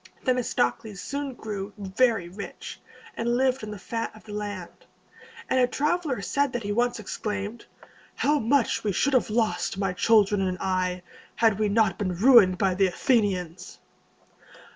Themistocles soon grew very rich, and lived on the fat of the land; and a traveler said that he once exclaimed, "How much we should have lost, my children and I, had we not been ruined by the Athenians!"